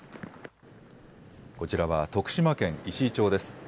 こちらは徳島県石井町です。